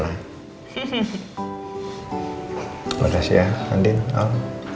terima kasih ya andin